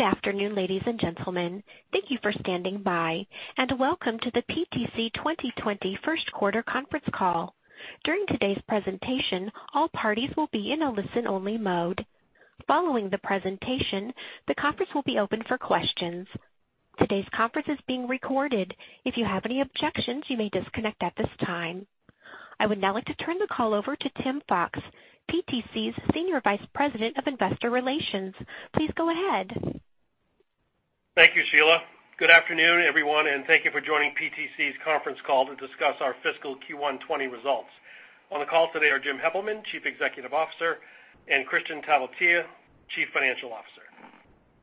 Good afternoon, ladies and gentlemen. Thank you for standing by, and welcome to the PTC 2020 First Quarter Conference Call. During today's presentation, all parties will be in a listen-only mode. Following the presentation, the conference will be open for questions. Today's conference is being recorded. If you have any objections, you may disconnect at this time. I would now like to turn the call over to Tim Fox, PTC's Senior Vice President of Investor Relations. Please go ahead. Thank you, Sheila. Good afternoon, everyone, and thank you for joining PTC's conference call to discuss our fiscal Q1 2020 results. On the call today are Jim Heppelmann, Chief Executive Officer, and Kristian Talvitie, Chief Financial Officer.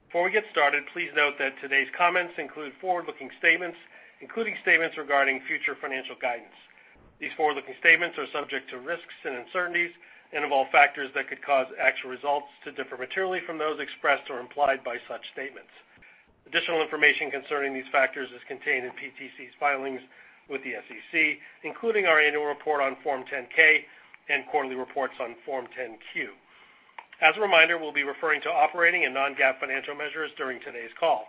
Before we get started, please note that today's comments include forward-looking statements, including statements regarding future financial guidance. These forward-looking statements are subject to risks and uncertainties and involve factors that could cause actual results to differ materially from those expressed or implied by such statements. Additional information concerning these factors is contained in PTC's filings with the SEC, including our annual report on Form 10-K and quarterly reports on Form 10-Q. As a reminder, we'll be referring to operating and non-GAAP financial measures during today's call.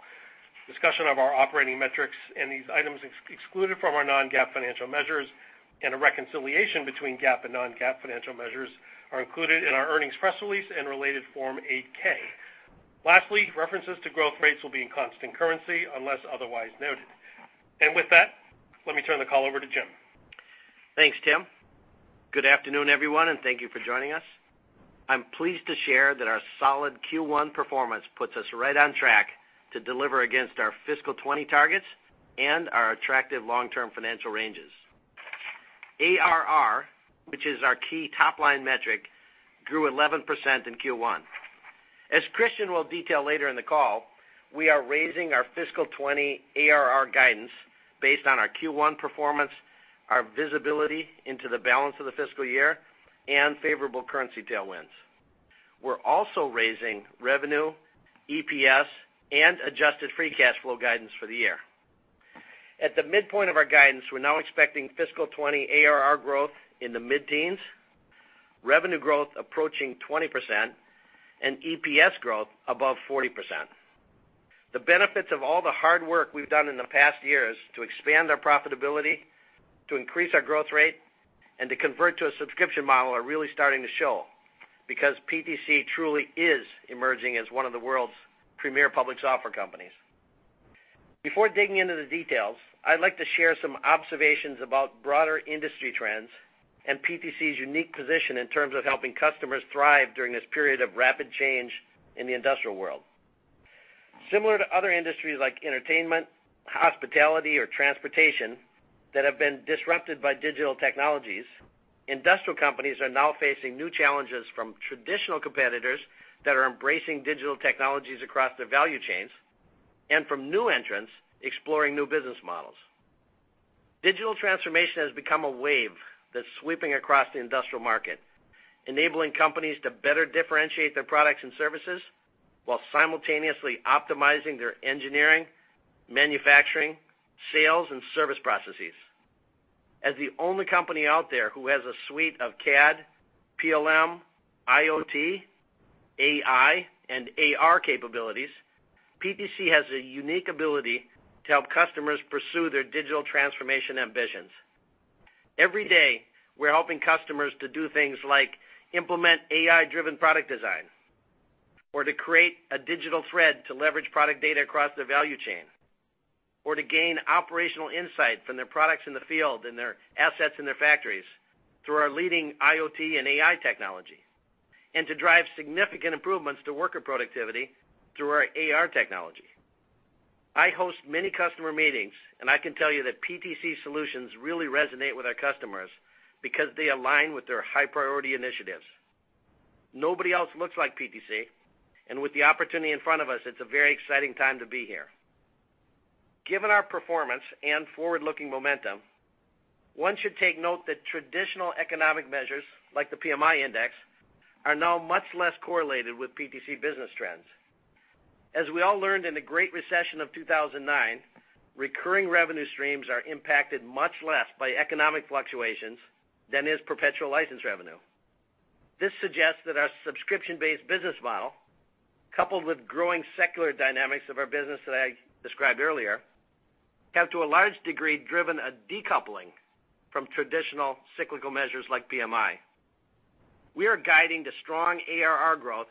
Discussion of our operating metrics and these items excluded from our non-GAAP financial measures and a reconciliation between GAAP and non-GAAP financial measures are included in our earnings press release and related Form 8-K. Lastly, references to growth rates will be in constant currency unless otherwise noted. With that, let me turn the call over to Jim. Thanks, Tim. Good afternoon, everyone, and thank you for joining us. I'm pleased to share that our solid Q1 performance puts us right on track to deliver against our fiscal 2020 targets and our attractive long-term financial ranges. ARR, which is our key top-line metric, grew 11% in Q1. As Kristian will detail later in the call, we are raising our fiscal 2020 ARR guidance based on our Q1 performance, our visibility into the balance of the fiscal year, and favorable currency tailwinds. We're also raising revenue, EPS, and adjusted free cash flow guidance for the year. At the midpoint of our guidance, we're now expecting fiscal 2020 ARR growth in the mid-teens, revenue growth approaching 20%, and EPS growth above 40%. The benefits of all the hard work we've done in the past years to expand our profitability, to increase our growth rate, and to convert to a subscription model are really starting to show, because PTC truly is emerging as one of the world's premier public software companies. Before digging into the details, I'd like to share some observations about broader industry trends and PTC's unique position in terms of helping customers thrive during this period of rapid change in the industrial world. Similar to other industries like entertainment, hospitality, or transportation that have been disrupted by digital technologies, industrial companies are now facing new challenges from traditional competitors that are embracing digital technologies across their value chains and from new entrants exploring new business models. Digital transformation has become a wave that's sweeping across the industrial market, enabling companies to better differentiate their products and services while simultaneously optimizing their engineering, manufacturing, sales, and service processes. As the only company out there who has a suite of CAD, PLM, IoT, AI, and AR capabilities, PTC has a unique ability to help customers pursue their digital transformation ambitions. Every day, we're helping customers to do things like implement AI-driven product design or to create a digital thread to leverage product data across their value chain or to gain operational insight from their products in the field and their assets in their factories through our leading IoT and AI technology, and to drive significant improvements to worker productivity through our AR technology. I host many customer meetings. I can tell you that PTC solutions really resonate with our customers because they align with their high-priority initiatives. Nobody else looks like PTC, and with the opportunity in front of us, it's a very exciting time to be here. Given our performance and forward-looking momentum, one should take note that traditional economic measures, like the PMI index, are now much less correlated with PTC business trends. As we all learned in the Great Recession of 2009, recurring revenue streams are impacted much less by economic fluctuations than is perpetual license revenue. This suggests that our subscription-based business model, coupled with growing secular dynamics of our business that I described earlier, have to a large degree driven a decoupling from traditional cyclical measures like PMI. We are guiding to strong ARR growth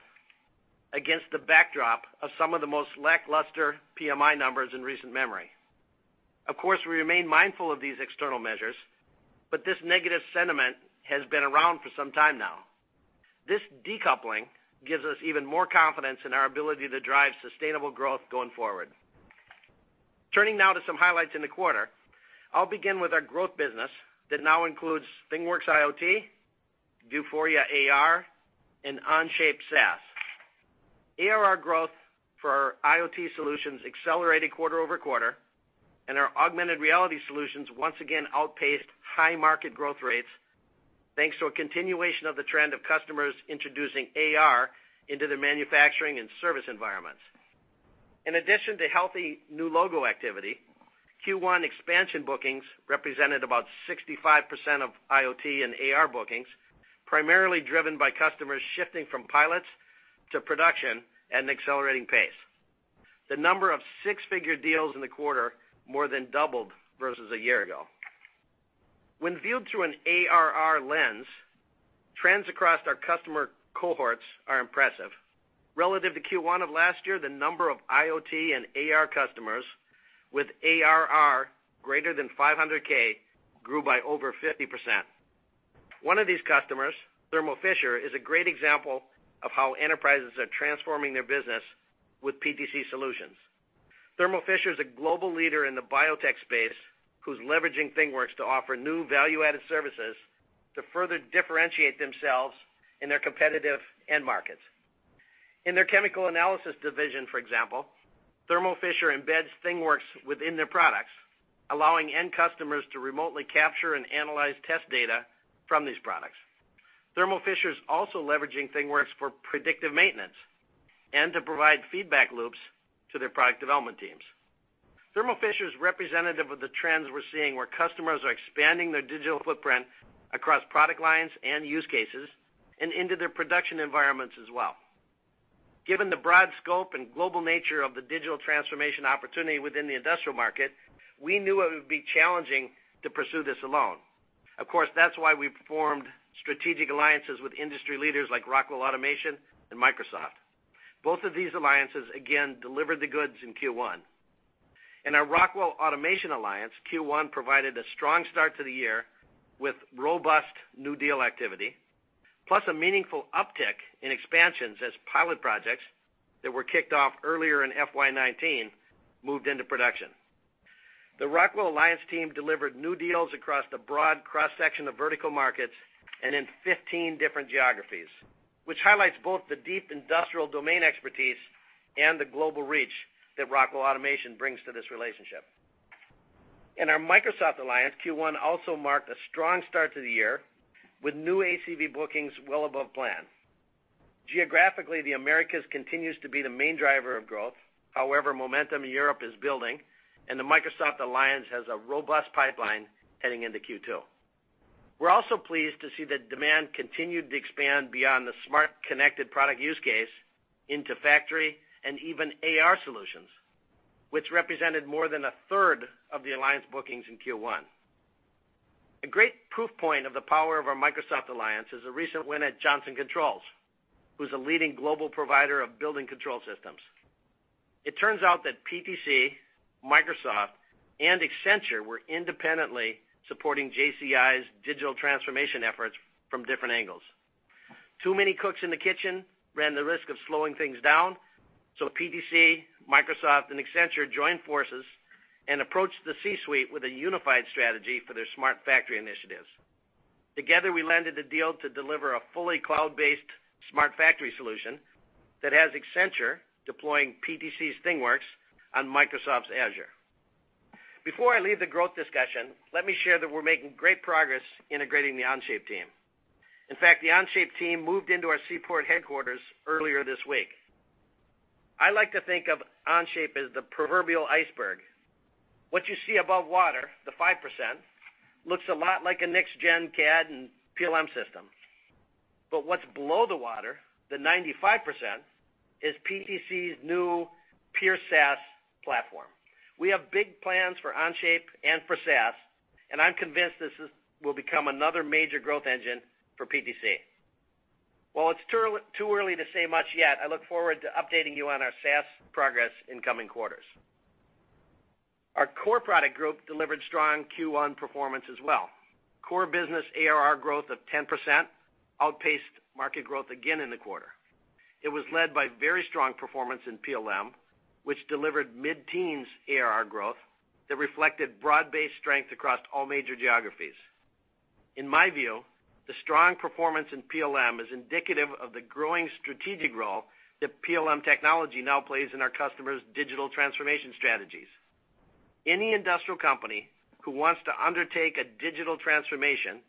against the backdrop of some of the most lackluster PMI numbers in recent memory. Of course, we remain mindful of these external measures, but this negative sentiment has been around for some time now. This decoupling gives us even more confidence in our ability to drive sustainable growth going forward. Turning now to some highlights in the quarter, I'll begin with our growth business that now includes ThingWorx IoT, Vuforia AR, and Onshape SaaS. ARR growth for our IoT solutions accelerated quarter-over-quarter. Our augmented reality solutions once again outpaced high market growth rates, thanks to a continuation of the trend of customers introducing AR into their manufacturing and service environments. In addition to healthy new logo activity, Q1 expansion bookings represented about 65% of IoT and AR bookings, primarily driven by customers shifting from pilots to production at an accelerating pace. The number of six-figure deals in the quarter more than doubled versus a year ago. When viewed through an ARR lens, trends across our customer cohorts are impressive. Relative to Q1 of last year, the number of IoT and AR customers with ARR greater than $500,000 grew by over 50%. One of these customers, Thermo Fisher, is a great example of how enterprises are transforming their business with PTC solutions. Thermo Fisher is a global leader in the biotech space, who's leveraging ThingWorx to offer new value-added services to further differentiate themselves in their competitive end markets. In their chemical analysis division, for example, Thermo Fisher embeds ThingWorx within their products, allowing end customers to remotely capture and analyze test data from these products. Thermo Fisher's also leveraging ThingWorx for predictive maintenance and to provide feedback loops to their product development teams. Thermo Fisher is representative of the trends we're seeing where customers are expanding their digital footprint across product lines and use cases, and into their production environments as well. Given the broad scope and global nature of the digital transformation opportunity within the industrial market, we knew it would be challenging to pursue this alone. Of course, that's why we've formed strategic alliances with industry leaders like Rockwell Automation and Microsoft. Both of these alliances, again, delivered the goods in Q1. In our Rockwell Automation alliance, Q1 provided a strong start to the year with robust new deal activity, plus a meaningful uptick in expansions as pilot projects that were kicked off earlier in FY 2019 moved into production. The Rockwell Alliance team delivered new deals across the broad cross-section of vertical markets and in 15 different geographies, which highlights both the deep industrial domain expertise and the global reach that Rockwell Automation brings to this relationship. In our Microsoft alliance, Q1 also marked a strong start to the year with new ACV bookings well above plan. Geographically, the Americas continues to be the main driver of growth. Momentum in Europe is building, and the Microsoft alliance has a robust pipeline heading into Q2. We're also pleased to see that demand continued to expand beyond the smart connected product use case into factory and even AR solutions, which represented more than a third of the alliance bookings in Q1. A great proof point of the power of our Microsoft alliance is a recent win at Johnson Controls, who's a leading global provider of building control systems. It turns out that PTC, Microsoft, and Accenture were independently supporting JCI's digital transformation efforts from different angles. Too many cooks in the kitchen ran the risk of slowing things down. PTC, Microsoft, and Accenture joined forces and approached the C-suite with a unified strategy for their smart factory initiatives. Together, we landed a deal to deliver a fully cloud-based smart factory solution that has Accenture deploying PTC's ThingWorx on Microsoft's Azure. Before I leave the growth discussion, let me share that we're making great progress integrating the Onshape team. In fact, the Onshape team moved into our Seaport headquarters earlier this week. I like to think of Onshape as the proverbial iceberg. What you see above water, the 5%, looks a lot like a next-gen CAD and PLM system. What's below the water, the 95%, is PTC's new pure SaaS platform. We have big plans for Onshape and for SaaS, I'm convinced this will become another major growth engine for PTC. While it's too early to say much yet, I look forward to updating you on our SaaS progress in coming quarters. Our core product group delivered strong Q1 performance as well. Core business ARR growth of 10% outpaced market growth again in the quarter. It was led by very strong performance in PLM, which delivered mid-teens ARR growth that reflected broad-based strength across all major geographies. In my view, the strong performance in PLM is indicative of the growing strategic role that PLM technology now plays in our customers' digital transformation strategies. Any industrial company who wants to undertake a digital transformation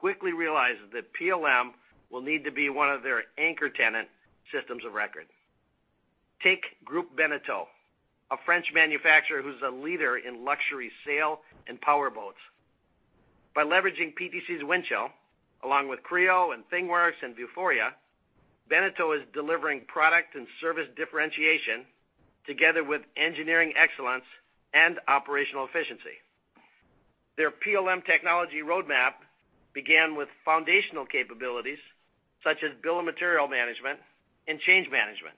quickly realizes that PLM will need to be one of their anchor tenant systems of record. Take Groupe Beneteau, a French manufacturer who's a leader in luxury sail and powerboats. By leveraging PTC's Windchill, along with Creo and ThingWorx and Vuforia, Beneteau is delivering product and service differentiation together with engineering excellence and operational efficiency. Their PLM technology roadmap began with foundational capabilities, such as bill of material management and change management.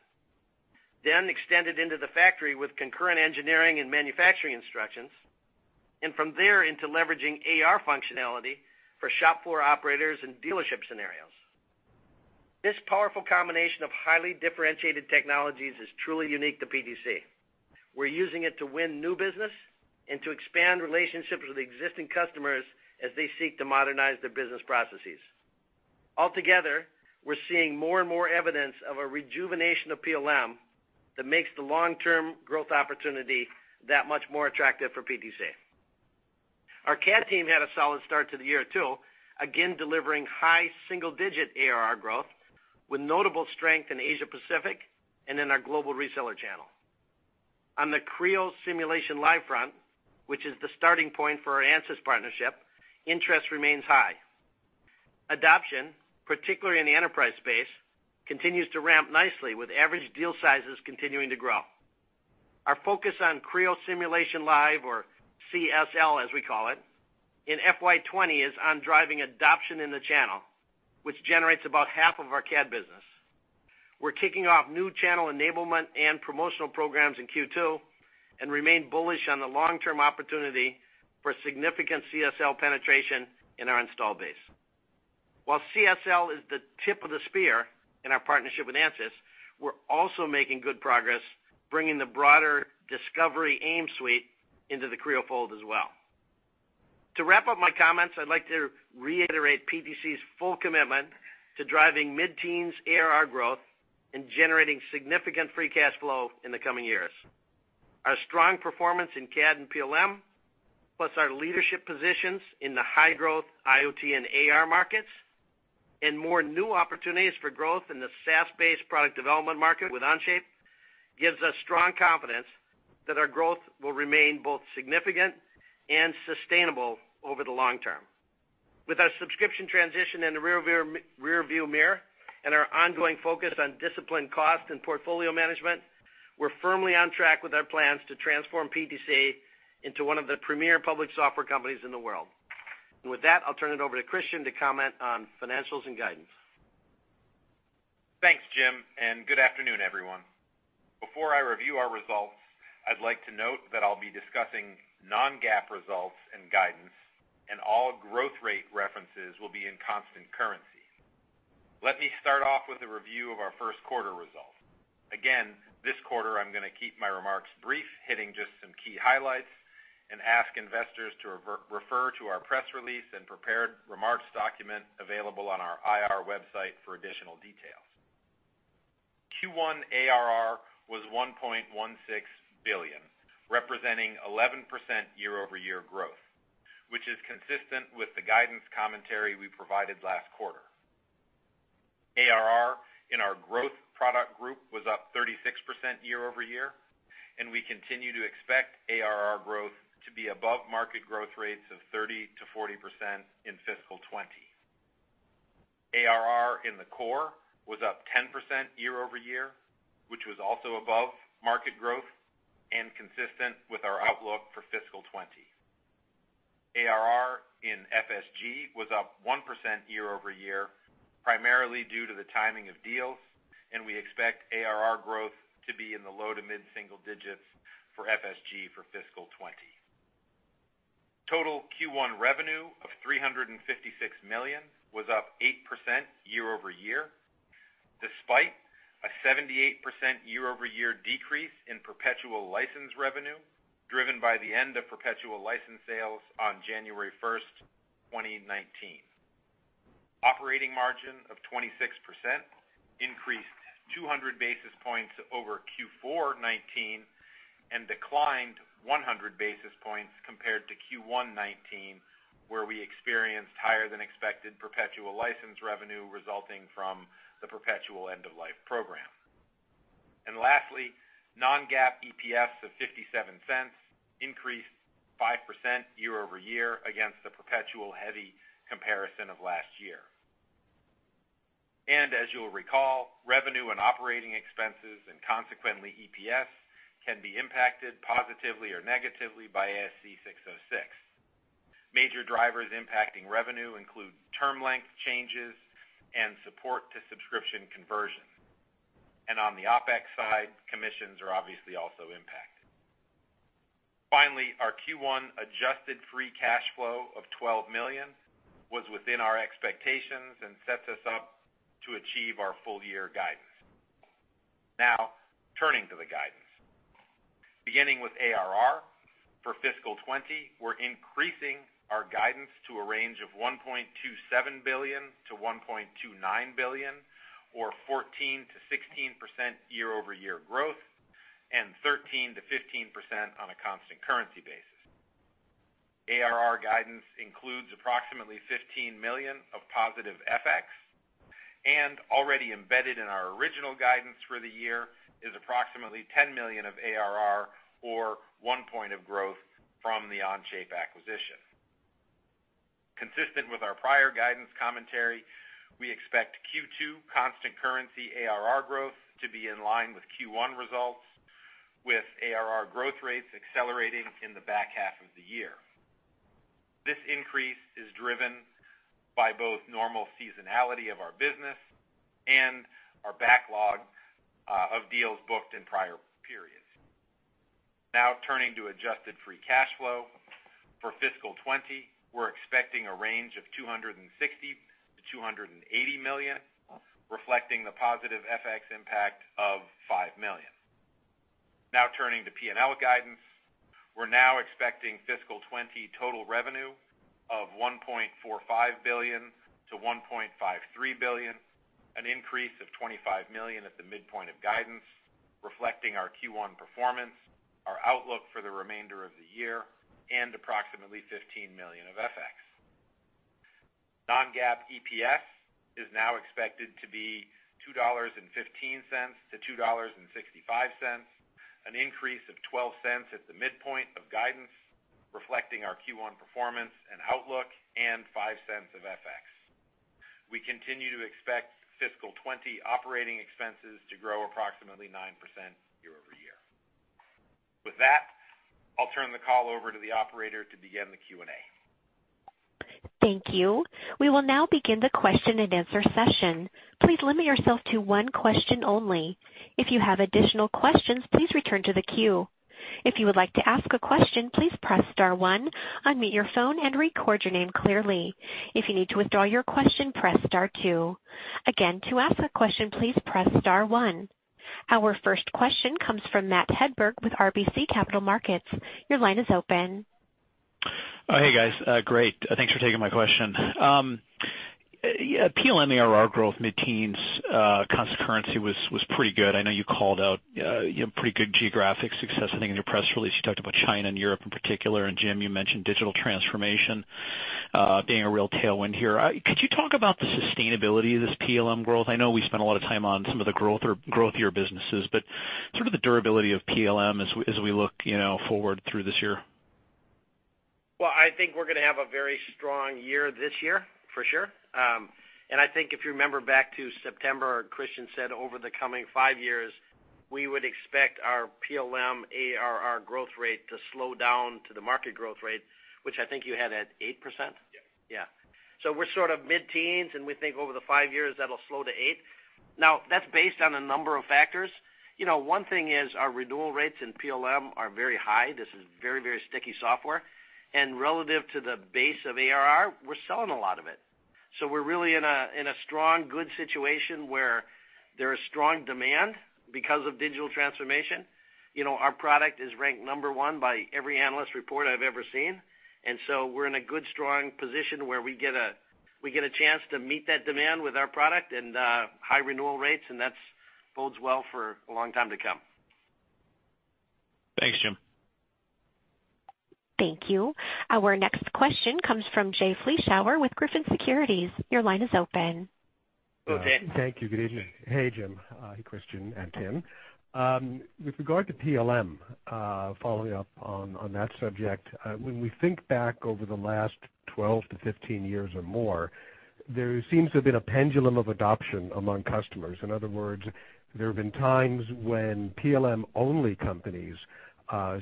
Extended into the factory with concurrent engineering and manufacturing instructions, and from there into leveraging AR functionality for shop floor operators and dealership scenarios. This powerful combination of highly differentiated technologies is truly unique to PTC. We're using it to win new business and to expand relationships with existing customers as they seek to modernize their business processes. Altogether, we're seeing more and more evidence of a rejuvenation of PLM that makes the long-term growth opportunity that much more attractive for PTC. Our CAD team had a solid start to the year too, again delivering high single-digit ARR growth, with notable strength in Asia Pacific and in our global reseller channel. On the Creo Simulation Live front, which is the starting point for our Ansys partnership, interest remains high. Adoption, particularly in the enterprise space, continues to ramp nicely with average deal sizes continuing to grow. Our focus on Creo Simulation Live, or CSL as we call it, in FY 2020 is on driving adoption in the channel, which generates about half of our CAD business. We're kicking off new channel enablement and promotional programs in Q2 and remain bullish on the long-term opportunity for significant CSL penetration in our install base. While CSL is the tip of the spear in our partnership with Ansys, we're also making good progress bringing the broader Discovery AIM Suite into the Creo fold as well. To wrap up my comments, I'd like to reiterate PTC's full commitment to driving mid-teens ARR growth and generating significant free cash flow in the coming years. Our strong performance in CAD and PLM, plus our leadership positions in the high-growth IoT and AR markets, and more new opportunities for growth in the SaaS-based product development market with Onshape gives us strong confidence that our growth will remain both significant and sustainable over the long term. With our subscription transition in the rearview mirror and our ongoing focus on disciplined cost and portfolio management, we're firmly on track with our plans to transform PTC into one of the premier public software companies in the world. With that, I'll turn it over to Kristian to comment on financials and guidance. Thanks, Jim, and good afternoon, everyone. Before I review our results, I'd like to note that I'll be discussing non-GAAP results and guidance, and all growth rate references will be in constant currency. Let me start off with a review of our first quarter results. Again, this quarter, I'm going to keep my remarks brief, hitting just some key highlights, and ask investors to refer to our press release and prepared remarks document available on our IR website for additional details. Q1 ARR was $1.16 billion, representing 11% year-over-year growth, which is consistent with the guidance commentary we provided last quarter. ARR in our growth product group was up 36% year-over-year, and we continue to expect ARR growth to be above market growth rates of 30%-40% in fiscal '20. ARR in the core was up 10% year-over-year, which was also above market growth and consistent with our outlook for fiscal 2020. ARR in FSG was up 1% year-over-year, primarily due to the timing of deals. We expect ARR growth to be in the low to mid-single digits for FSG for fiscal 2020. Total Q1 revenue of $356 million was up 8% year-over-year, despite a 78% year-over-year decrease in perpetual license revenue, driven by the end of perpetual license sales on January 1st, 2019. Operating margin of 26% increased 200 basis points over Q4 2019 and declined 100 basis points compared to Q1 2019, where we experienced higher-than-expected perpetual license revenue resulting from the perpetual end-of-life program. Lastly, non-GAAP EPS of $0.57 increased 5% year-over-year against the perpetual heavy comparison of last year. As you'll recall, revenue and operating expenses, and consequently EPS, can be impacted positively or negatively by ASC 606. Major drivers impacting revenue include term length changes and support to subscription conversion. On the opex side, commissions are obviously also impacted. Finally, our Q1 adjusted free cash flow of $12 million was within our expectations and sets us up to achieve our full year guidance. Now, turning to the guidance. Beginning with ARR, for fiscal 2020, we're increasing our guidance to a range of $1.27 billion-$1.29 billion, or 14%-16% year-over-year growth, and 13%-15% on a constant currency basis. ARR guidance includes approximately $15 million of positive FX, and already embedded in our original guidance for the year is approximately $10 million of ARR, or one point of growth from the Onshape acquisition. Consistent with our prior guidance commentary, we expect Q2 constant currency ARR growth to be in line with Q1 results, with ARR growth rates accelerating in the back half of the year. This increase is driven by both normal seasonality of our business and our backlog of deals booked in prior periods. Turning to adjusted free cash flow. For fiscal 2020, we're expecting a range of $260 million-$280 million, reflecting the positive FX impact of $5 million. Turning to P&L guidance. We're now expecting fiscal 2020 total revenue of $1.45 billion-$1.53 billion, an increase of $25 million at the midpoint of guidance, reflecting our Q1 performance, our outlook for the remainder of the year, and approximately $15 million of FX. Non-GAAP EPS is now expected to be $2.15-$2.65, an increase of $0.12 at the midpoint of guidance, reflecting our Q1 performance and outlook and $0.05 of FX. We continue to expect fiscal 2020 operating expenses to grow approximately 9% year-over-year. With that, I'll turn the call over to the operator to begin the Q&A. Thank you. We will now begin the question and answer session. Please limit yourself to one question only. If you have additional questions, please return to the queue. If you would like to ask a question, please press star one, unmute your phone, and record your name clearly. If you need to withdraw your question, press star two. Again, to ask a question, please press star one. Our first question comes from Matt Hedberg with RBC Capital Markets. Your line is open. Hey, guys. Great. Thanks for taking my question. PLM ARR growth mid-teens, constant currency was pretty good. I know you called out pretty good geographic success. I think in your press release you talked about China and Europe in particular. Jim, you mentioned digital transformation being a real tailwind here. Could you talk about the sustainability of this PLM growth? I know we spent a lot of time on some of the growth of your businesses, but sort of the durability of PLM as we look forward through this year. Well, I think we're going to have a very strong year this year, for sure. I think if you remember back to September, Kristian said over the coming five years, we would expect our PLM ARR growth rate to slow down to the market growth rate, which I think you had at 8%. Yes. We're sort of mid-teens, and we think over the five years that'll slow to eight. That's based on a number of factors. One thing is our renewal rates in PLM are very high. This is very sticky software. Relative to the base of ARR, we're selling a lot of it. We're really in a strong, good situation where there is strong demand because of digital transformation. Our product is ranked number one by every analyst report I've ever seen. We're in a good, strong position where we get a chance to meet that demand with our product and high renewal rates, and that bodes well for a long time to come. Thanks, Jim. Thank you. Our next question comes from Jay Vleeschhouwer with Griffin Securities. Your line is open. Go, Jay. Thank you. Good evening. Hey, Jim. Hi, Kristian and Tim. With regard to PLM, following up on that subject, when we think back over the last 12-15 years or more, there seems to have been a pendulum of adoption among customers. In other words, there have been times when PLM-only companies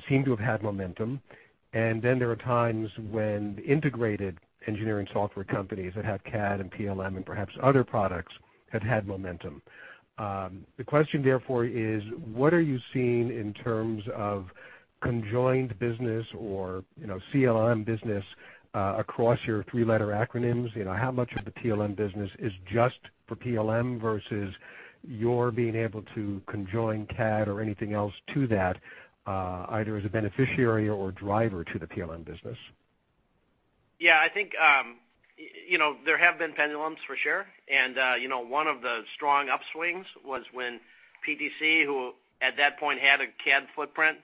seem to have had momentum, and then there are times when integrated engineering software companies that have CAD and PLM and perhaps other products have had momentum. The question therefore is: What are you seeing in terms of conjoined business or PLM business across your three-letter acronyms? How much of the PLM business is just for PLM versus your being able to conjoin CAD or anything else to that, either as a beneficiary or driver to the PLM business? Yeah, I think there have been pendulums for sure. One of the strong upswings was when PTC, who at that point had a CAD footprint,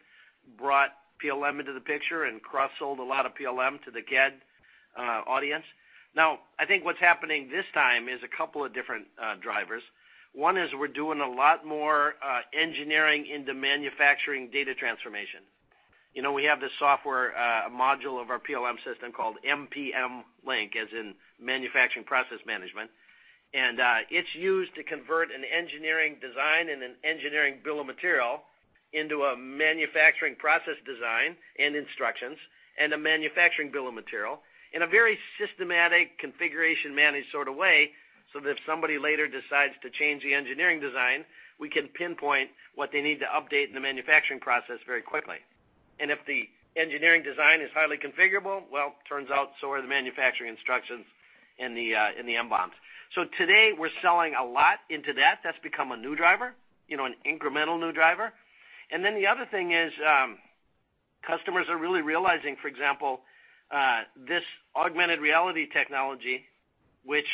brought PLM into the picture and cross-sold a lot of PLM to the CAD audience. I think what's happening this time is a couple of different drivers. One is we're doing a lot more engineering into manufacturing data transformation. We have this software module of our PLM system called Windchill MPMLink, as in manufacturing process management. It's used to convert an engineering design and an engineering bill of material into a manufacturing process design and instructions and a manufacturing bill of material in a very systematic, configuration-managed sort of way, so that if somebody later decides to change the engineering design, we can pinpoint what they need to update in the manufacturing process very quickly. If the engineering design is highly configurable, well, it turns out so are the manufacturing instructions in the MBOMs. Today, we're selling a lot into that. That's become a new driver, an incremental new driver. The other thing is customers are really realizing, for example, this augmented reality technology, which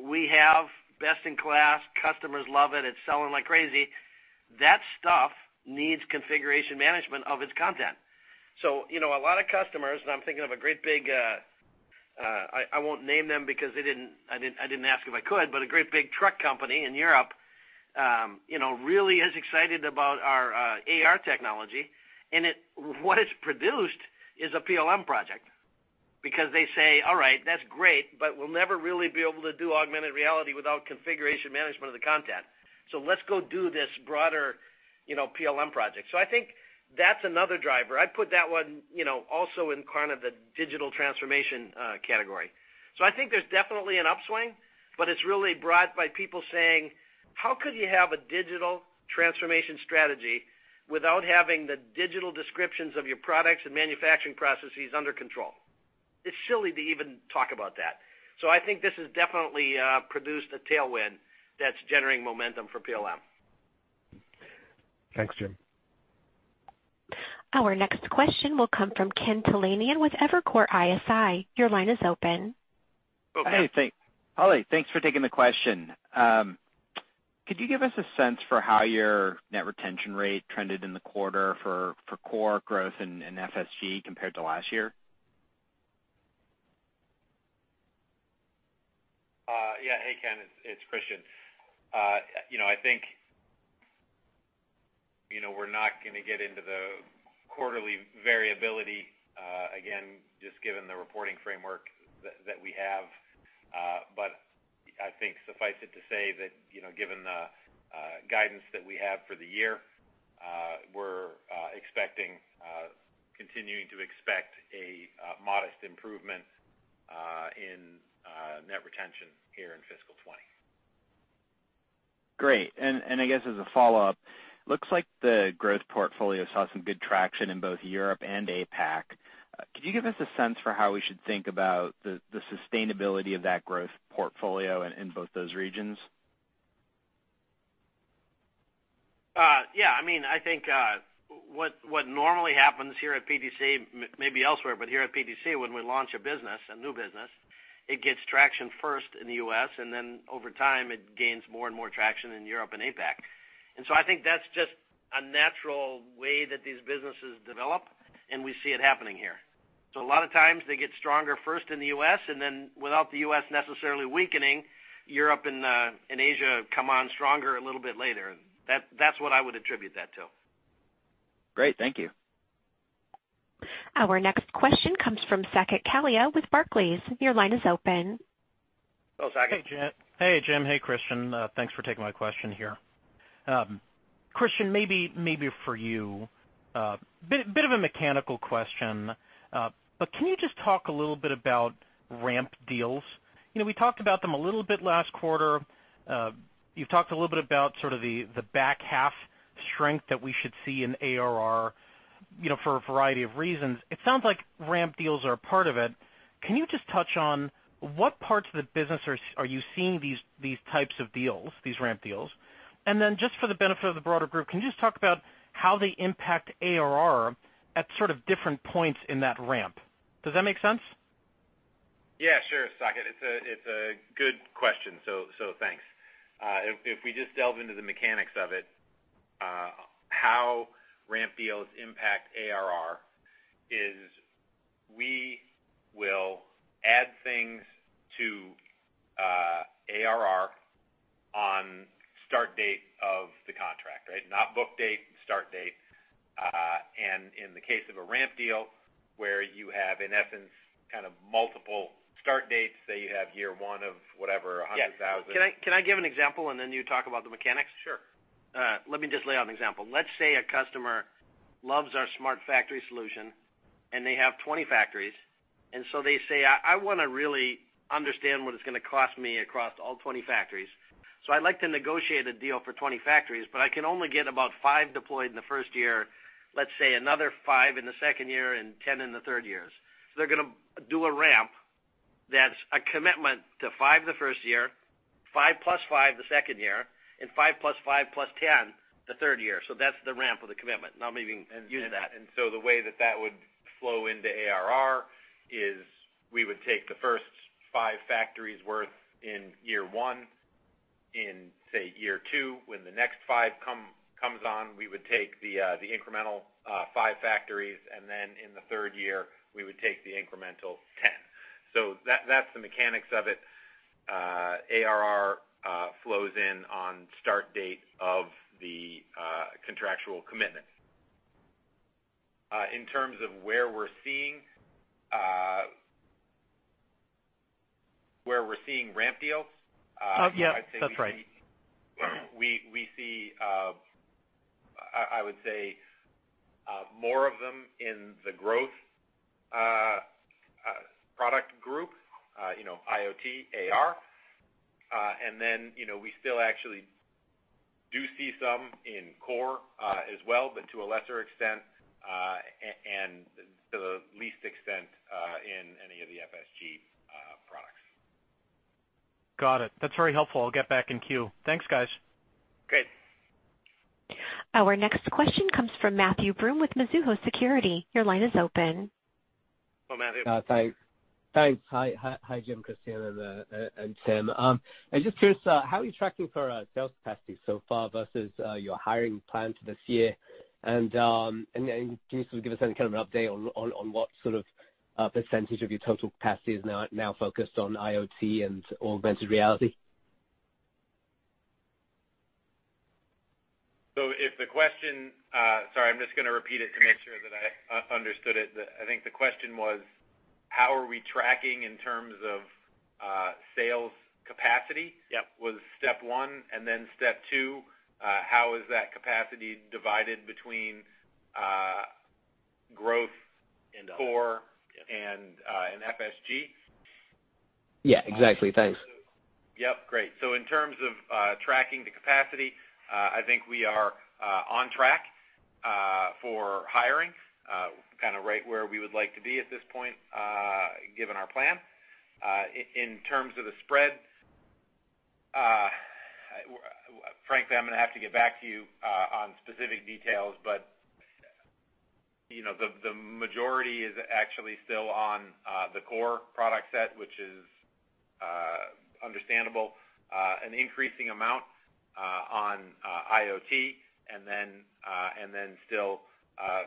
we have best in class, customers love it's selling like crazy. That stuff needs configuration management of its content. A lot of customers, and I'm thinking of a great big-- I won't name them because I didn't ask if I could, but a great big truck company in Europe really is excited about our AR technology. What it's produced is a PLM project because they say, "All right, that's great, but we'll never really be able to do augmented reality without configuration management of the content. Let's go do this broader PLM project. I think that's another driver. I'd put that one also in kind of the digital transformation category. I think there's definitely an upswing, but it's really brought by people saying, "How could you have a digital transformation strategy without having the digital descriptions of your products and manufacturing processes under control?" It's silly to even talk about that. I think this has definitely produced a tailwind that's generating momentum for PLM. Thanks, Jim. Our next question will come from Ken Talanian with Evercore ISI. Your line is open. Hey, thanks. Holly, thanks for taking the question. Could you give us a sense for how your net retention rate trended in the quarter for core growth and FSG compared to last year? Yeah. Hey, Ken, it's Kristian. I think we're not going to get into the quarterly variability, again, just given the reporting framework that we have. I think suffice it to say that, given the guidance that we have for the year, we're continuing to expect a modest improvement in net retention here in fiscal 2020. Great. I guess as a follow-up, looks like the growth portfolio saw some good traction in both Europe and APAC. Could you give us a sense for how we should think about the sustainability of that growth portfolio in both those regions? Yeah. I think what normally happens here at PTC, maybe elsewhere, but here at PTC, when we launch a business, a new business, it gets traction first in the U.S., and then over time, it gains more and more traction in Europe and APAC. I think that's just a natural way that these businesses develop, and we see it happening here. A lot of times they get stronger first in the U.S., and then without the U.S. necessarily weakening, Europe and Asia come on stronger a little bit later. That's what I would attribute that to. Great. Thank you. Our next question comes from Saket Kalia with Barclays. Your line is open. Hello, Saket. Hey, Jim. Hey, Kristian. Thanks for taking my question here. Kristian, maybe for you. Bit of a mechanical question. Can you just talk a little bit about ramp deals? We talked about them a little bit last quarter. You've talked a little bit about sort of the back-half strength that we should see in ARR for a variety of reasons. It sounds like ramp deals are a part of it. Can you just touch on what parts of the business are you seeing these types of deals, these ramp deals? Then just for the benefit of the broader group, can you just talk about how they impact ARR at sort of different points in that ramp? Does that make sense? Yeah, sure, Saket. It's a good question. Thanks. If we just delve into the mechanics of it, how ramp deals impact ARR is we will add things to ARR on start date of the contract, right? Not book date, start date. In the case of a ramp deal where you have, in essence, kind of multiple start dates, say you have year one of whatever, $100,000. Yeah. Can I give an example, and then you talk about the mechanics? Sure. Let me just lay out an example. Let's say a customer loves our smart factory solution, and they have 20 factories. They say, "I want to really understand what it's going to cost me across all 20 factories. I'd like to negotiate a deal for 20 factories, but I can only get about five deployed in the first year, let's say another five in the second year, and 10 in the third years. They're going to do a ramp that's a commitment to five the first year, 5 + 5 the second year, and 5 + 5 + 10 the third year. That's the ramp of the commitment. Now I'm even use that. The way that that would flow into ARR is we would take the first five factories worth in year one. In, say, year two, when the next five comes on, we would take the incremental five factories, and then in the third year, we would take the incremental 10. That's the mechanics of it. ARR flows in on start date of the contractual commitment. In terms of where we're seeing ramp deals. Yeah. That's right. I'd say we see, I would say, more of them in the growth product group, IoT, AR. We still actually do see some in core as well, but to a lesser extent, and to the least extent in any of the FSG products. Got it. That's very helpful. I'll get back in queue. Thanks, guys. Great. Our next question comes from Matthew Broome with Mizuho Securities. Your line is open. Hello, Matthew. Thanks. Hi, Jim, Kristian, and Tim. I'm just curious, how are you tracking for sales capacity so far versus your hiring plan for this year? Then can you sort of give us any kind of an update on what sort of percentage of your total capacity is now focused on IoT and/or augmented reality? If the question Sorry, I'm just going to repeat it to make sure that I understood it. I think the question was how are we tracking in terms of sales capacity? Yep. Was step one, and then step two, how is that capacity divided between growth- The whole core and FSG? Yeah, exactly. Thanks. Yep, great. In terms of tracking the capacity, I think we are on track for hiring, kind of right where we would like to be at this point, given our plan. In terms of the spreads, frankly, I'm going to have to get back to you on specific details. The majority is actually still on the core product set, which is understandable. An increasing amount on IoT and then still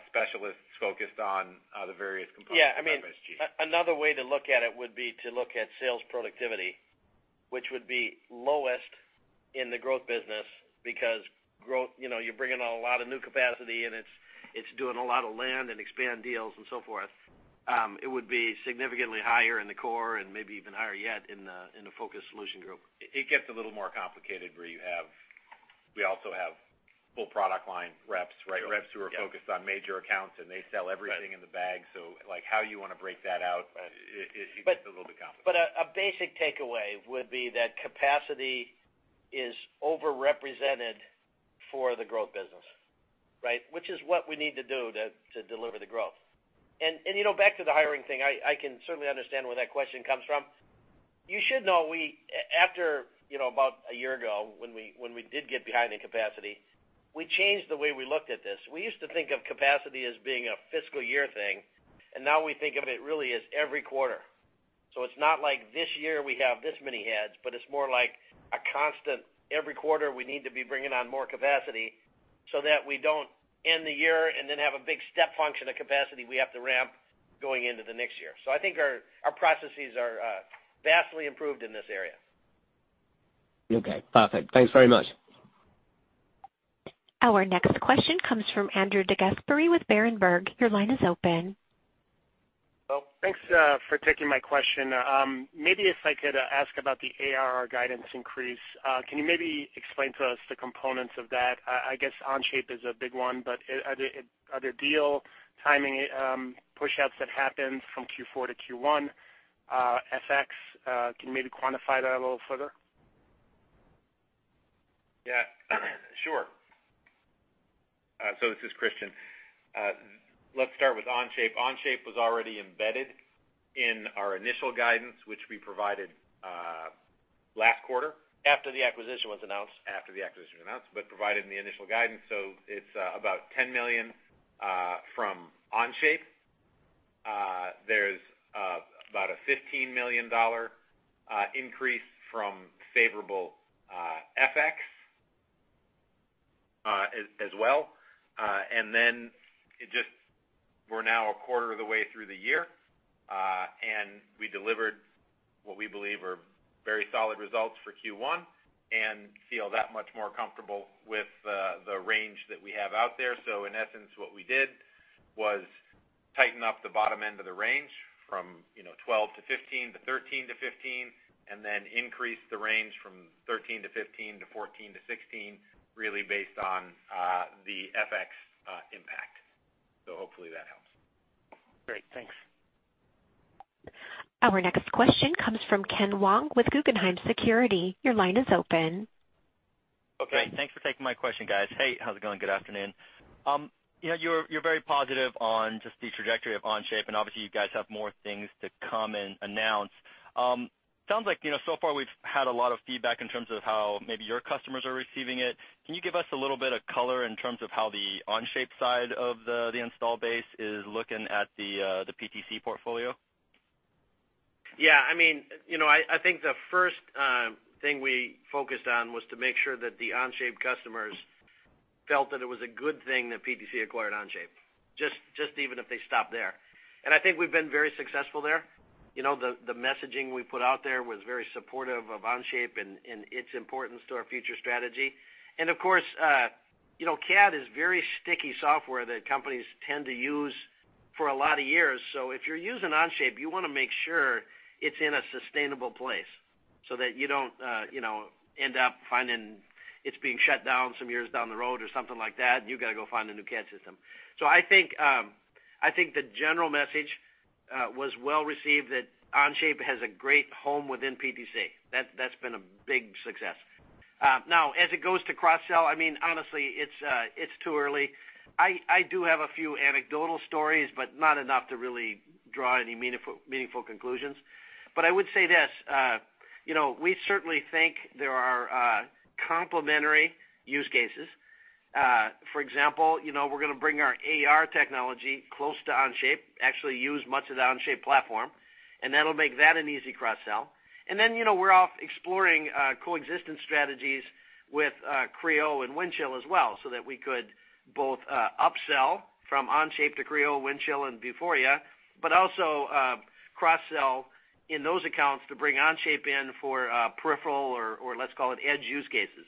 specialists focused on the various components of FSG. Yeah. Another way to look at it would be to look at sales productivity, which would be lowest in the growth business because you're bringing on a lot of new capacity, and it's doing a lot of land and expand deals and so forth. It would be significantly higher in the core and maybe even higher yet in the Focused Solutions Group. It gets a little more complicated where we also have full product line reps. Sure. Yeah reps who are focused on major accounts, and they sell everything- Right in the bag. How you want to break that out. Right It gets a little bit complicated. A basic takeaway would be that capacity is over-represented for the growth business, right? Which is what we need to do to deliver the growth. Back to the hiring thing, I can certainly understand where that question comes from. You should know, after about a year ago when we did get behind in capacity, we changed the way we looked at this. We used to think of capacity as being a fiscal year thing, and now we think of it really as every quarter. It's not like this year we have this many heads, but it's more like a constant, every quarter we need to be bringing on more capacity so that we don't end the year and then have a big step function of capacity we have to ramp going into the next year. I think our processes are vastly improved in this area. Okay, perfect. Thanks very much. Our next question comes from Andrew DeGasperi with Berenberg. Your line is open. Well, thanks for taking my question. Maybe if I could ask about the ARR guidance increase. Can you maybe explain to us the components of that? I guess Onshape is a big one, but are there deal timing pushouts that happened from Q4 to Q1, FX? Can you maybe quantify that a little further? Yeah. Sure. This is Kristian. Let's start with Onshape. Onshape was already embedded in our initial guidance, which we provided last quarter. After the acquisition was announced. After the acquisition was announced, provided in the initial guidance. It's about $10 million from Onshape. There's about a $15 million increase from favorable FX as well. We're now a quarter of the way through the year, and we delivered what we believe are very solid results for Q1 and feel that much more comfortable with the range that we have out there. In essence, what we did was tighten up the bottom end of the range from 12%-15% to 13%-15%, and then increase the range from 13%-15% to 14%-16%, really based on the FX impact. Hopefully that helps. Great. Thanks. Our next question comes from Ken Wong with Guggenheim Securities. Your line is open. Okay. Thanks for taking my question, guys. Hey, how's it going? Good afternoon. You're very positive on just the trajectory of Onshape, obviously you guys have more things to come and announce. Sounds like so far we've had a lot of feedback in terms of how maybe your customers are receiving it. Can you give us a little bit of color in terms of how the Onshape side of the install base is looking at the PTC portfolio? I think the first thing we focused on was to make sure that the Onshape customers felt that it was a good thing that PTC acquired Onshape, just even if they stop there. I think we've been very successful there. The messaging we put out there was very supportive of Onshape and its importance to our future strategy. Of course, CAD is very sticky software that companies tend to use for a lot of years. If you're using Onshape, you want to make sure it's in a sustainable place, so that you don't end up finding it's being shut down some years down the road or something like that, and you've got to go find a new CAD system. I think the general message was well-received that Onshape has a great home within PTC. That's been a big success. As it goes to cross-sell, honestly, it's too early. I do have a few anecdotal stories, but not enough to really draw any meaningful conclusions. I would say this. We certainly think there are complementary use cases. For example, we're going to bring our AR technology close to Onshape, actually use much of the Onshape platform, and that'll make that an easy cross-sell. We're off exploring coexistence strategies with Creo and Windchill as well, so that we could both upsell from Onshape to Creo, Windchill, and Vuforia, but also cross-sell in those accounts to bring Onshape in for peripheral, or let's call it edge use cases.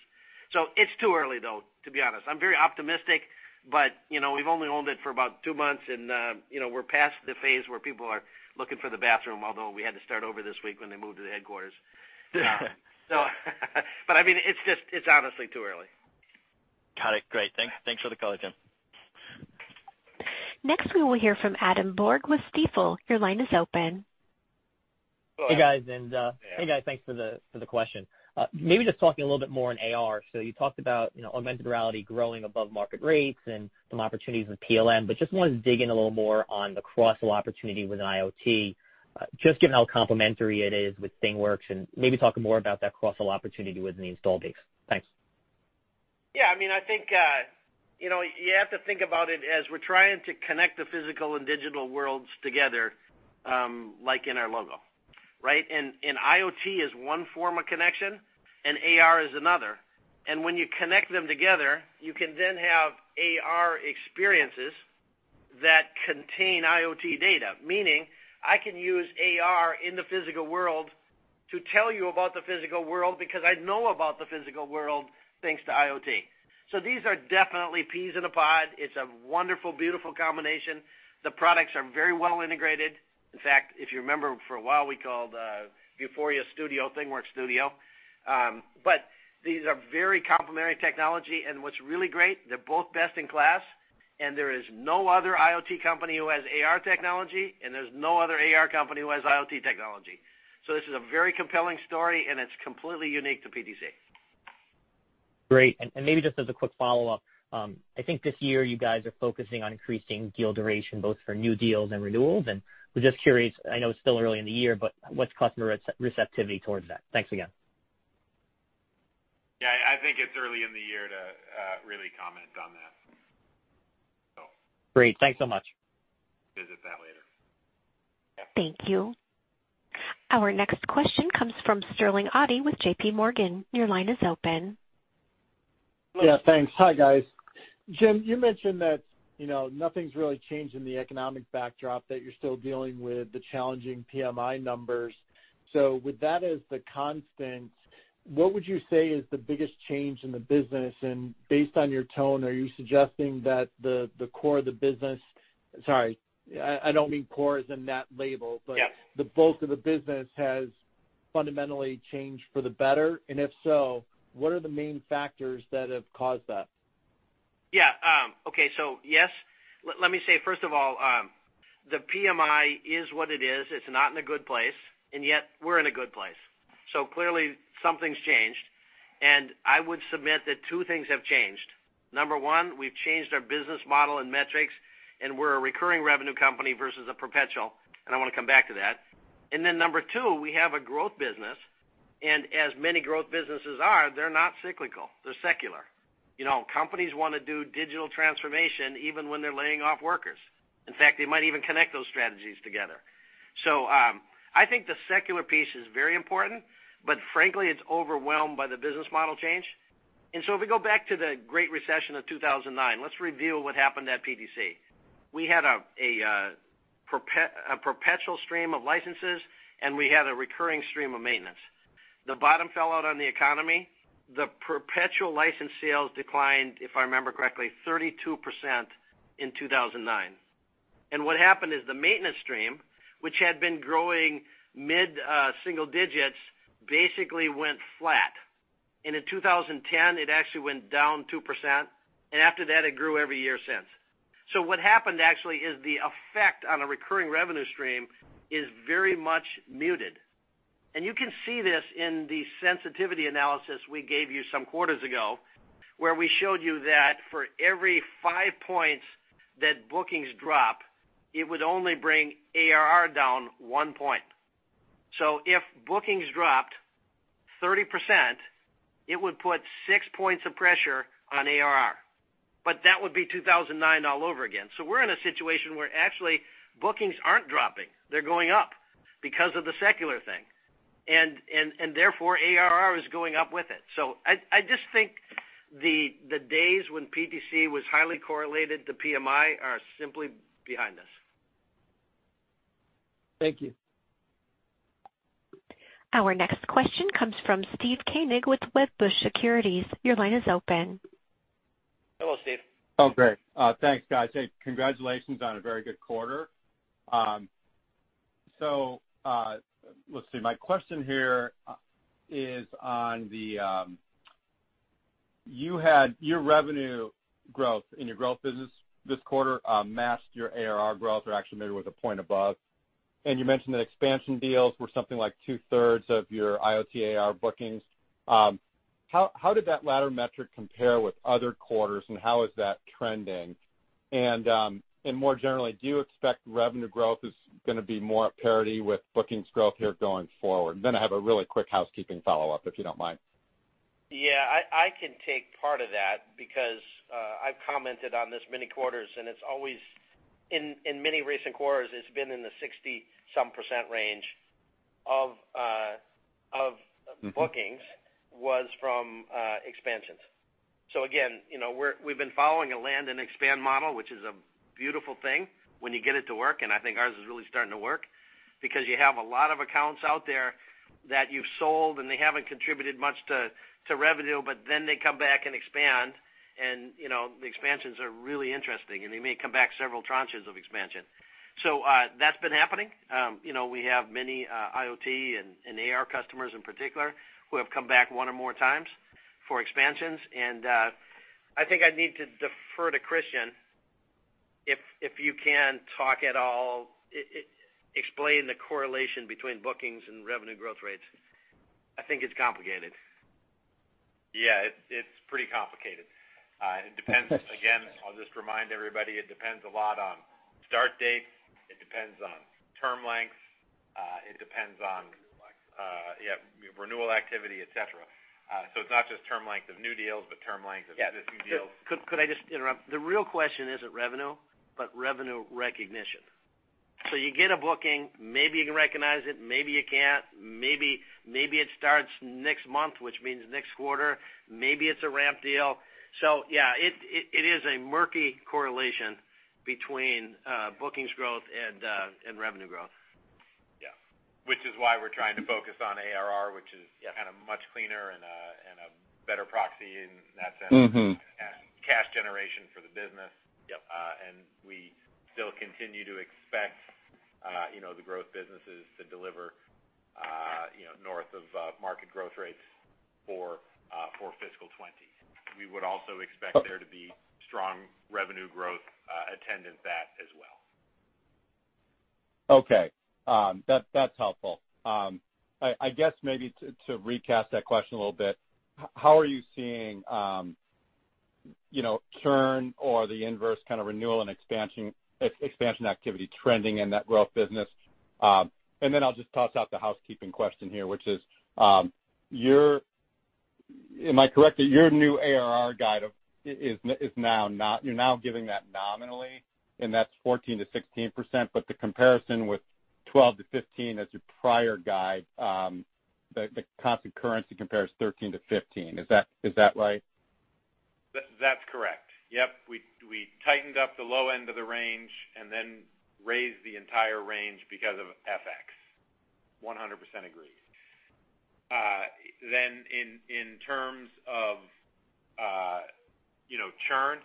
It's too early, though, to be honest. I'm very optimistic, but we've only owned it for about two months, and we're past the phase where people are looking for the bathroom, although we had to start over this week when they moved to the headquarters. But it's honestly too early. Got it. Great. Thanks for the color, Jim. Next, we will hear from Adam Borg with Stifel. Your line is open. Hey, guys. Thanks for the question. Maybe just talking a little bit more on AR. You talked about augmented reality growing above market rates and some opportunities with PLM, but just wanted to dig in a little more on the cross-sell opportunity with an IoT, just given how complementary it is with ThingWorx, and maybe talk more about that cross-sell opportunity within the install base. Thanks. Yeah, I think you have to think about it as we're trying to connect the physical and digital worlds together, like in our logo. Right? IoT is one form of connection, and AR is another. When you connect them together, you can then have AR experiences that contain IoT data, meaning I can use AR in the physical world to tell you about the physical world, because I know about the physical world, thanks to IoT. These are definitely peas in a pod. It's a wonderful, beautiful combination. The products are very well integrated. In fact, if you remember, for a while, we called Vuforia Studio, ThingWorx Studio. These are very complementary technology, and what's really great, they're both best in class, and there is no other IoT company who has AR technology, and there is no other AR company who has IoT technology. This is a very compelling story, and it's completely unique to PTC. Great. Maybe just as a quick follow-up. I think this year you guys are focusing on increasing deal duration, both for new deals and renewals, and was just curious, I know it's still early in the year, but what's customer receptivity towards that? Thanks again. Yeah, I think it's early in the year to really comment on that. Great. Thanks so much. Visit that later. Thank you. Our next question comes from Sterling Auty with JPMorgan. Your line is open. Yeah, thanks. Hi, guys. Jim, you mentioned that nothing's really changed in the economic backdrop, that you're still dealing with the challenging PMI numbers. With that as the constant, what would you say is the biggest change in the business? Based on your tone, are you suggesting that the core of the business? Yeah The bulk of the business has fundamentally changed for the better? If so, what are the main factors that have caused that? Yeah. Okay, yes. Let me say, first of all, the PMI is what it is. It's not in a good place, and yet we're in a good place. Clearly, something's changed. I would submit that two things have changed. Number one, we've changed our business model and metrics, and we're a recurring revenue company versus a perpetual, and I want to come back to that. Then number two, we have a growth business, and as many growth businesses are, they're not cyclical. They're secular. Companies want to do digital transformation even when they're laying off workers. In fact, they might even connect those strategies together. I think the secular piece is very important, but frankly, it's overwhelmed by the business model change. If we go back to the Great Recession of 2009, let's review what happened at PTC. We had a perpetual stream of licenses, and we had a recurring stream of maintenance. The bottom fell out on the economy. The perpetual license sales declined, if I remember correctly, 32% in 2009. What happened is the maintenance stream, which had been growing mid-single digits, basically went flat. In 2010, it actually went down 2%, after that, it grew every year since. What happened actually is the effect on a recurring revenue stream is very much muted. You can see this in the sensitivity analysis we gave you some quarters ago, where we showed you that for every 5 points that bookings drop, it would only bring ARR down 1 point. If bookings dropped 30%, it would put 6 points of pressure on ARR. That would be 2009 all over again. We're in a situation where actually bookings aren't dropping. They're going up because of the secular thing. Therefore, ARR is going up with it. I just think the days when PTC was highly correlated to PMI are simply behind us. Thank you. Our next question comes from Steve Koenig with Wedbush Securities. Your line is open. Hello, Steve. Oh, great. Thanks, guys. Let's see. My question here is on your revenue growth in your growth business this quarter matched your ARR growth or actually maybe was a point above. You mentioned that expansion deals were something like 2/3 of your IoT AR bookings. How did that latter metric compare with other quarters, and how is that trending? More generally, do you expect revenue growth is going to be more at parity with bookings growth here going forward? I have a really quick housekeeping follow-up, if you don't mind. Yeah, I can take part of that because I've commented on this many quarters, and it's always in many recent quarters, it's been in the 60-some percent range of bookings was from expansions. Again, we've been following a land and expand model, which is a beautiful thing when you get it to work, and I think ours is really starting to work because you have a lot of accounts out there that you've sold and they haven't contributed much to revenue, but then they come back and expand, and the expansions are really interesting, and they may come back several tranches of expansion. That's been happening. We have many IoT and AR customers in particular who have come back one or more times for expansions. I think I need to defer to Kristian, if you can talk at all, explain the correlation between bookings and revenue growth rates. I think it's complicated. Yeah, it's pretty complicated. Again, I'll just remind everybody, it depends a lot on start dates, it depends on term lengths. Renewal lengths. Yeah, renewal activity, et cetera. It's not just term length of new deals, but term length of existing deals. Yeah. Could I just interrupt? The real question isn't revenue, but revenue recognition. You get a booking, maybe you can recognize it, maybe you can't. Maybe it starts next month, which means next quarter. Maybe it's a ramp deal. Yeah, it is a murky correlation between bookings growth and revenue growth. Yeah. Which is why we're trying to focus on ARR. Yeah kind of much cleaner and a better proxy in that sense. Cash generation for the business. Yep. We still continue to expect the growth businesses to deliver north of market growth rates for fiscal 2020. We would also expect there to be strong revenue growth attendant that as well. Okay. That's helpful. I guess maybe to recast that question a little bit, how are you seeing churn or the inverse kind of renewal and expansion activity trending in that growth business? Then I'll just toss out the housekeeping question here, which is, am I correct that your new ARR guide, you're now giving that nominally, and that's 14%-16%, but the comparison with 12%-15% as your prior guide, the constant currency compares 13%-15%. Is that right? That's correct. Yep. We tightened up the low end of the range and then raised the entire range because of FX. 100% agree. In terms of churn,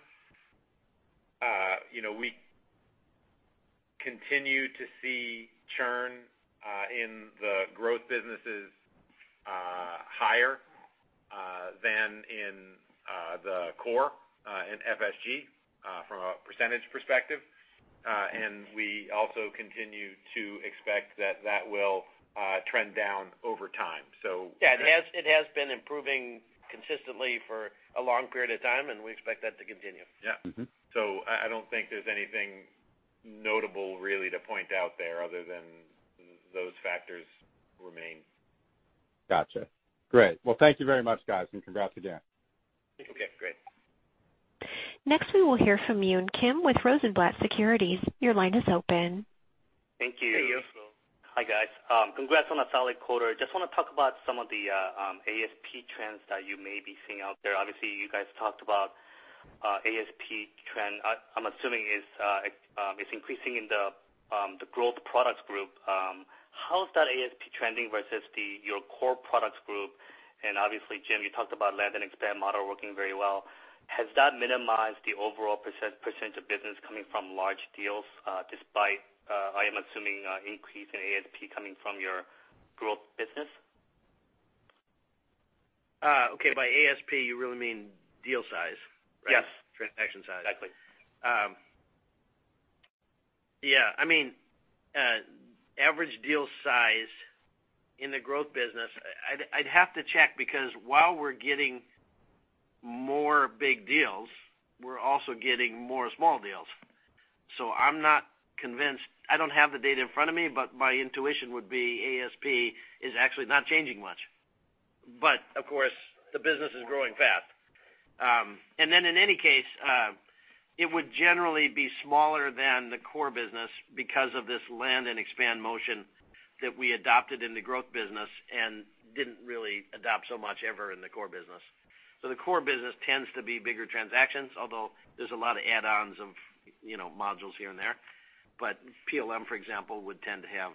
we continue to see churn in the growth businesses higher than in the core in FSG from a percentage perspective. We also continue to expect that that will trend down over time. Yeah. It has been improving consistently for a long period of time, and we expect that to continue. Yeah. I don't think there's anything notable really to point out there other than those factors remain. Gotcha. Great. Well, thank you very much, guys, and congrats again. Okay, great. Next, we will hear from Yun Kim with Rosenblatt Securities. Your line is open. Thank you. Hey, Yun. Hi, guys. Congrats on a solid quarter. Just want to talk about some of the ASP trends that you may be seeing out there. Obviously, you guys talked about ASP trend. I'm assuming it's increasing in the growth products group. How is that ASP trending versus your core products group? Obviously, Jim, you talked about land and expand model working very well. Has that minimized the overall percentage of business coming from large deals, despite, I am assuming, increase in ASP coming from your growth business? Okay, by ASP, you really mean deal size, right? Yes. Transaction size. Exactly. Yeah. Average deal size in the growth business, I'd have to check because while we're getting more big deals, we're also getting more small deals. I'm not convinced. I don't have the data in front of me, but my intuition would be ASP is actually not changing much. Of course, the business is growing fast. In any case, it would generally be smaller than the core business because of this land and expand motion that we adopted in the growth business and didn't really adopt so much ever in the core business. The core business tends to be bigger transactions, although there's a lot of add-ons of modules here and there. PLM, for example, would tend to have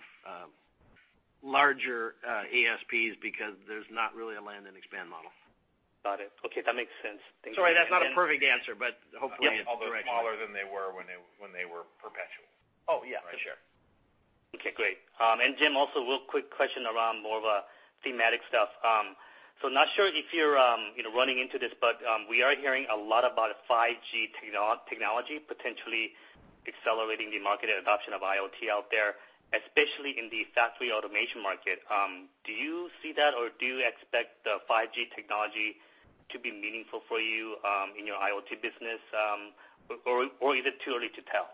larger ASPs because there's not really a land and expand model. Got it. Okay. That makes sense. Thank you. Sorry, that's not a perfect answer, but hopefully it. Although smaller than they were when they were perpetual. Oh, yeah. For sure. Right. Okay, great. Jim, also real quick question around more of a thematic stuff. Not sure if you're running into this, but we are hearing a lot about 5G technology potentially accelerating the market and adoption of IoT out there, especially in the factory automation market. Do you see that, or do you expect the 5G technology to be meaningful for you in your IoT business? Or is it too early to tell?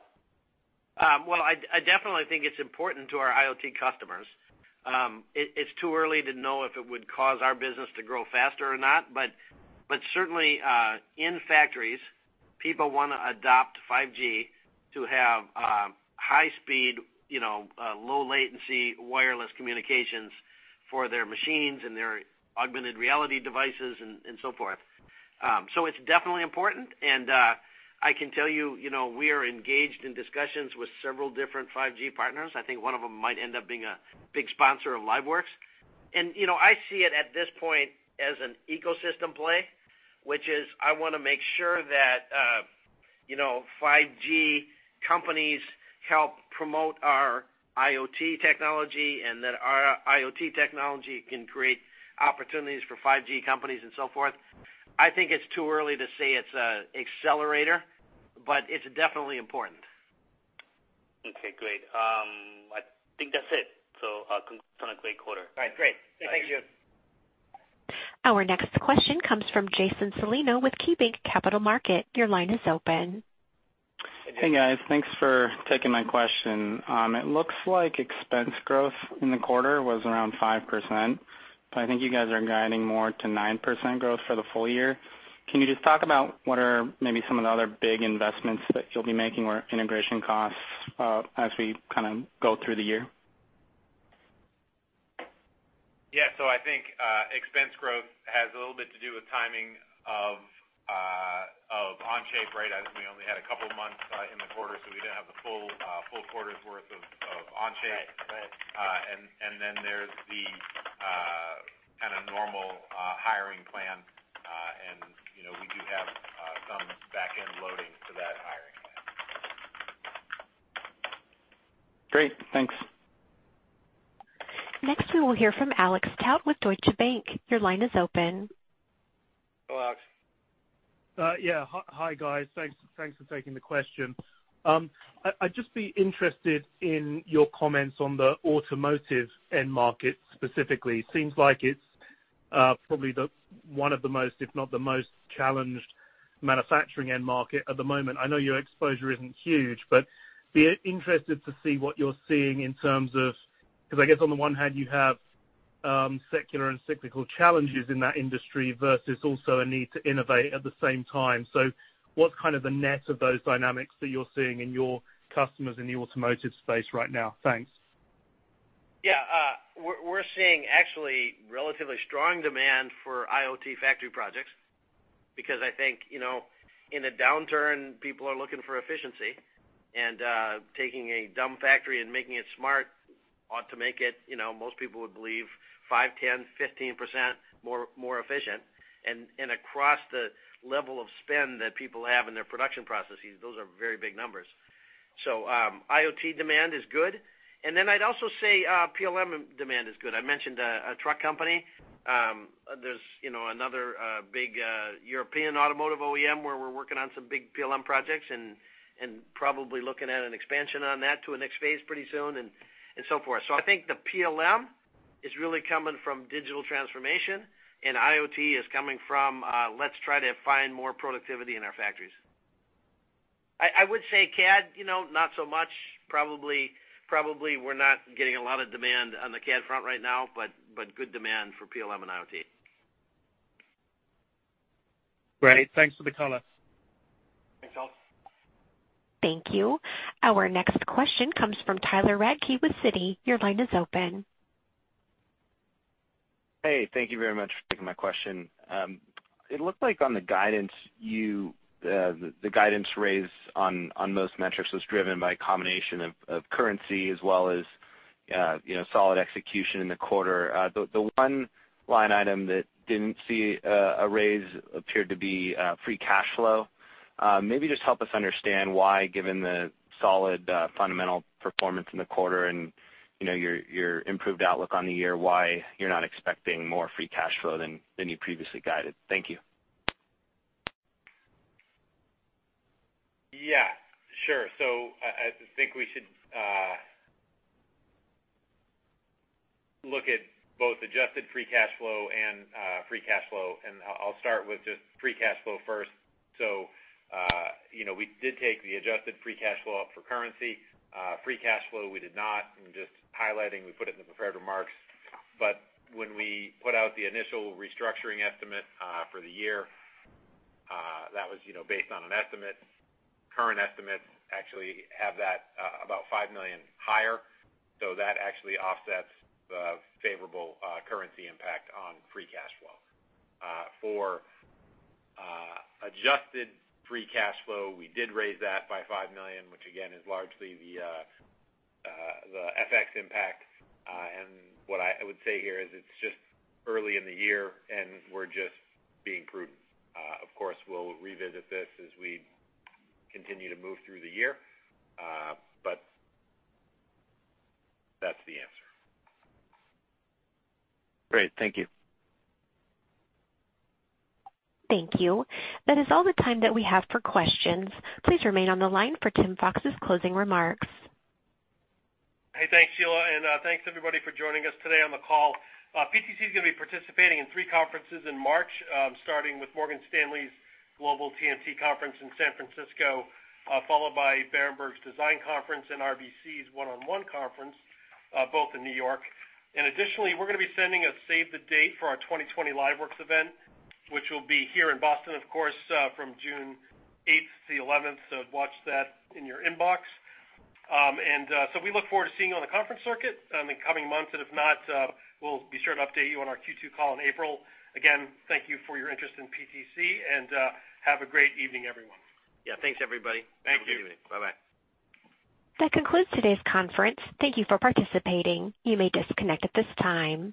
Well, I definitely think it's important to our IoT customers. It's too early to know if it would cause our business to grow faster or not, but certainly, in factories, people want to adopt 5G to have high speed, low latency wireless communications for their machines and their augmented reality devices and so forth. It's definitely important, and I can tell you, we are engaged in discussions with several different 5G partners. I think one of them might end up being a big sponsor of LiveWorx. I see it at this point as an ecosystem play, which is I want to make sure that 5G companies help promote our IoT technology and that our IoT technology can create opportunities for 5G companies and so forth. I think it's too early to say it's an accelerator, but it's definitely important. Okay, great. I think that's it. Congrats on a great quarter. All right, great. Thank you. Our next question comes from Jason Celino with KeyBanc Capital Markets. Your line is open. Hey, guys. Thanks for taking my question. It looks like expense growth in the quarter was around 5%. I think you guys are guiding more to 9% growth for the full year. Can you just talk about what are maybe some of the other big investments that you'll be making or integration costs, as we go through the year? Yeah. I think expense growth has a little bit to do with timing of Onshape. As we only had a couple of months in the quarter, so we didn't have the full quarter's worth of Onshape. Right. Then there's the normal hiring plan. We do have some back-end loading to that hiring plan. Great. Thanks. Next, we will hear from Alex Tout with Deutsche Bank. Your line is open. Hello, Alex. Yeah. Hi, guys. Thanks for taking the question. I'd just be interested in your comments on the automotive end market specifically. Seems like it's probably one of the most, if not the most challenged manufacturing end market at the moment. I know your exposure isn't huge, but be interested to see what you're seeing in terms of I guess on the one hand, you have secular and cyclical challenges in that industry versus also a need to innovate at the same time. What's the net of those dynamics that you're seeing in your customers in the automotive space right now? Thanks. Yeah. We're seeing actually relatively strong demand for IoT factory projects because I think, in a downturn, people are looking for efficiency, and taking a dumb factory and making it smart ought to make it, most people would believe 5%, 10%, 15% more efficient. Across the level of spend that people have in their production processes, those are very big numbers. IoT demand is good. I'd also say PLM demand is good. I mentioned a truck company. There's another big European automotive OEM where we're working on some big PLM projects and probably looking at an expansion on that to a next phase pretty soon and so forth. I think the PLM is really coming from digital transformation and IoT is coming from, let's try to find more productivity in our factories. I would say CAD, not so much. Probably we're not getting a lot of demand on the CAD front right now, but good demand for PLM and IoT. Great. Thanks for the color. Thanks, Alex. Thank you. Our next question comes from Tyler Radke with Citi. Your line is open. Hey, thank you very much for taking my question. It looked like on the guidance, the guidance raise on most metrics was driven by a combination of currency as well as solid execution in the quarter. The one line item that didn't see a raise appeared to be free cash flow. Maybe just help us understand why, given the solid fundamental performance in the quarter and your improved outlook on the year, why you're not expecting more free cash flow than you previously guided. Thank you. Yeah, sure. I think we should look at both adjusted free cash flow and free cash flow, and I'll start with just free cash flow first. We did take the adjusted free cash flow up for currency. Free cash flow, we did not. I'm just highlighting, we put it in the prepared remarks. When we put out the initial restructuring estimate for the year, that was based on an estimate. Current estimates actually have that about $5 million higher. That actually offsets the favorable currency impact on free cash flow. For adjusted free cash flow, we did raise that by $5 million, which again, is largely the FX impact. What I would say here is it's just early in the year, and we're just being prudent. Of course, we'll revisit this as we continue to move through the year. That's the answer. Great. Thank you. Thank you. That is all the time that we have for questions. Please remain on the line for Tim Fox's closing remarks. Hey, thanks, Sheila, and thanks everybody for joining us today on the call. PTC is going to be participating in three conferences in March, starting with Morgan Stanley's Global TMT Conference in San Francisco, followed by Berenberg's Thematic Software Conference and RBC's One on One conference, both in New York. Additionally, we're going to be sending a save the date for our 2020 LiveWorx event, which will be here in Boston, of course, from June 8th to the 11th. Watch that in your inbox. We look forward to seeing you on the conference circuit in the coming months. If not, we'll be sure to update you on our Q2 call in April. Again, thank you for your interest in PTC. Have a great evening, everyone. Yeah, thanks everybody. Thank you. Have a good evening. Bye-bye. That concludes today's conference. Thank you for participating. You may disconnect at this time.